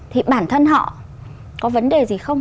thì bản thân họ có vấn đề gì không